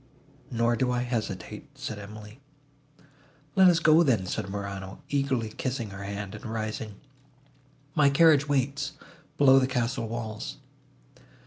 "Nor do I hesitate," said Emily. "Let us go, then," said Morano, eagerly kissing her hand, and rising, "my carriage waits, below the castle walls."